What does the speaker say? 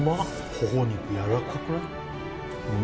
頬肉、やわらかくない？